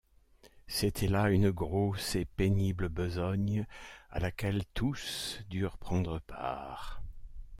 C’était là une grosse et pénible besogne, à laquelle tous durent prendre part.